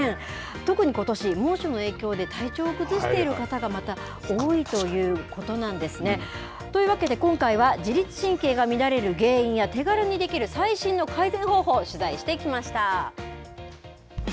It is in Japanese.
特にことし、猛暑の影響で体調を崩している方がまた多いということなんですね。というわけで、今回は自律神経が乱れる原因や手軽にできる最新の改善方法を取材してきました。